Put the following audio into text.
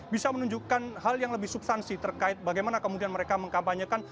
bisa menunjukkan hal yang lebih substansi terkait bagaimana kemudian mereka mengkabanyakan